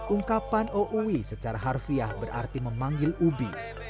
ungkapan o'uwi secara harfiah berarti memanggil ubi